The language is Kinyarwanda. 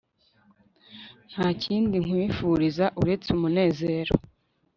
Nta kindi nkwifuriza uretse umunezero